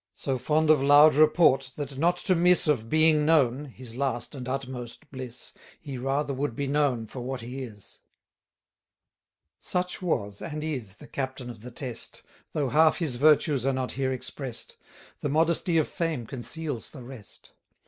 So fond of loud report, that not to miss 1190 Of being known (his last and utmost bliss) He rather would be known for what he is. Such was, and is, the Captain of the Test, Though half his virtues are not here express'd; The modesty of fame conceals the rest.